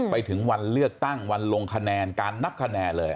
ไปถึงวันเลือกตั้งวันลงคะแนนการนับคะแนนเลย